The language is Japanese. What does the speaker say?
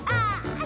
ああ！